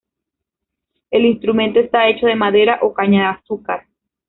El instrumento está hecho de madera o caña de azúcar.